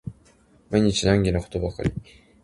毎日難儀なことばかり